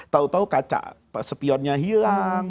tau tau kaca sepionnya hilang